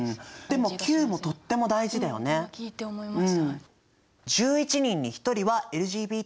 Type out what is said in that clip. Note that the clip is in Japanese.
でも今聞いて思いました。